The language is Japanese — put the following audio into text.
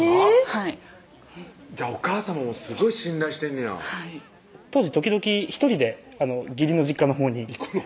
はいじゃあお母さまもすごい信頼してんねや当時時々１人で義理の実家のほうに行くの？